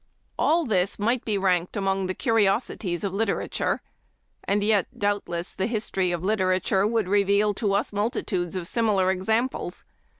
All this might be ranked among the " Curiosi ties of Literature ;" and yet, doubtless, the history of literature would reveal to us multitudes of similar examples.